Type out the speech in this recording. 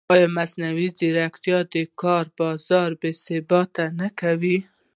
ایا مصنوعي ځیرکتیا د کار بازار بېثباته نه کوي؟